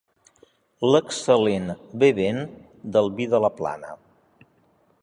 L'excel·lent bevent del vi de la plana.